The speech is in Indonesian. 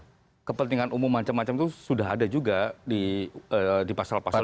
karena kepentingan umum macam macam itu sudah ada juga di pasal pasal